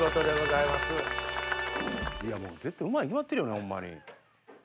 いやもう絶対うまいに決まってるよなホンマに。